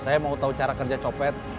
saya mau tahu cara kerja copet